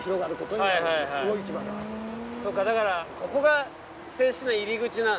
そうかだからここが正式な入口なんですね。